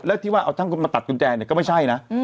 แล้วที่ว่าเอาช่างมาตัดกุญแจเนี่ยก็ไม่ใช่นะ